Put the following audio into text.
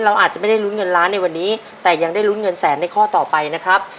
อาจจะไม่ได้ลุ้นเงินล้านในวันนี้แต่ยังได้ลุ้นเงินแสนในข้อต่อไปนะครับ